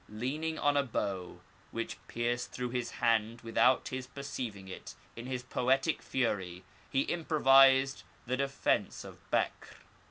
Leaning on a bow, which pierced through his hand without his perceiving it in his poetic fury, he im provised the defence of Bekr.